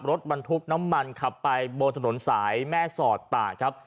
รถบรรทุกน้ำมันขับไปบนถนนสายแม่สอดตากครับ